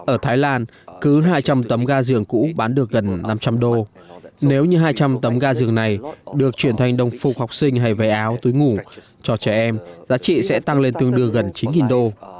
ở thái lan cứ hai trăm linh tấm ga giường cũ bán được gần năm trăm linh đô nếu như hai trăm linh tấm ga giường này được chuyển thành đồng phục học sinh hay váy áo túi ngủ cho trẻ em giá trị sẽ tăng lên tương đương gần chín đô